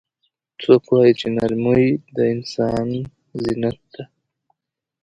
څوک وایي چې نرمۍ د انسان زینت ده